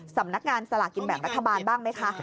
สำนักงานสลากกินแบ่งรัฐบาลบ้างไหมคะ